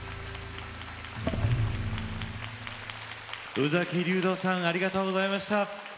宇崎竜童さんありがとうございました。